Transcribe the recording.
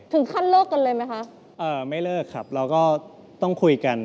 ถึงขั้นเลิกกันเลยไหมคะเอ่อไม่เลิกครับเราก็ต้องคุยกัน